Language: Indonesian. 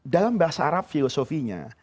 dalam bahasa arab filosofinya